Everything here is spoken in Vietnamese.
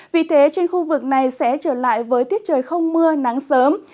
vì thế trên khu vực này sẽ trở lại với tiết trời không mưa nắng sớm